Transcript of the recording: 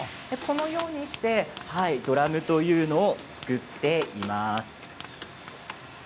このようにしてドラムというのを作っています。